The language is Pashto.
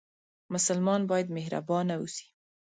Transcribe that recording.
مسلمان باید مهربانه اوسي